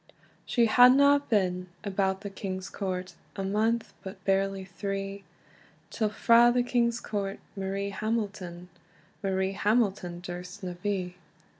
She hadna been about the king's court A month, but barely three, Till frae the king's court Marie Hamilton, Marie Hamilton durst na be.